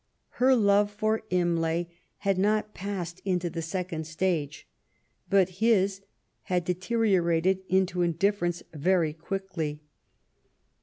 Her love for Imlay had not passed into the second stage, but his had deteriorated into in* diflFerence very quickly.